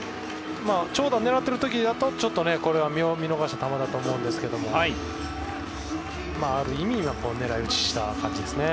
長打を狙ってる時だと見逃していた球だと思うんですがある意味狙い打ちした感じですね。